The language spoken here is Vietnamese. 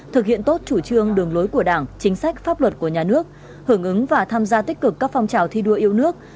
thực hiện tốt chủ trương đường lối của đảng chính sách pháp luật của nhà nước hưởng ứng và tham gia tích cực các phong trào thi đua yêu nước